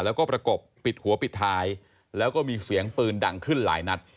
แล้วก็ประกบปิดหัวปิดท้ายแล้วก็มีเสียงปืนดังขึ้นหลายนัด